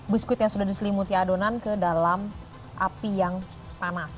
biskuit yang sudah diselimuti adonan ke dalam api yang panas